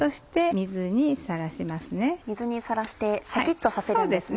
水にさらしてシャキっとさせるんですね。